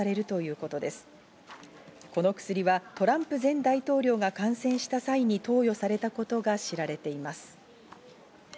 この薬はトランプ前大統領が感染した際に投与されたことが知られています。